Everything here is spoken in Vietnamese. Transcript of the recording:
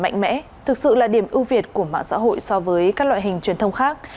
mạnh mẽ thực sự là điểm ưu việt của mạng xã hội so với các loại hình truyền thông khác